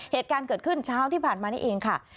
เหตุการณ์เกิดขึ้นเช้าที่ผ่านมานี่เองค่ะ